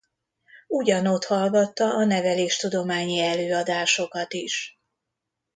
Ugyanott hallgatta a neveléstudományi előadásokat is.